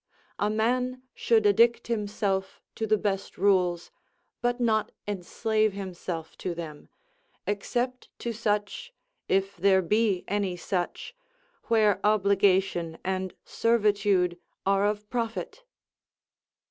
A man should addict himself to the best rules, but not enslave himself to them, except to such, if there be any such, where obligation and servitude are of profit.